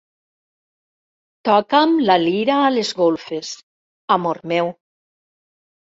Toca'm la lira a les golfes, amor meu.